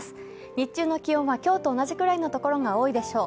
日中の気温は今日と同じくらいの所が多いでしょう。